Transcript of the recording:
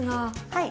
はい。